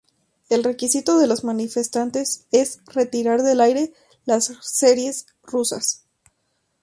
El requisito de los manifestantes es retirar del aire las series rusos.